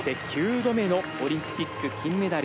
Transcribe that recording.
初めてのオリンピックのメダル。